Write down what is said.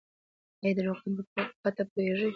ایا د روغتون پته پوهیږئ؟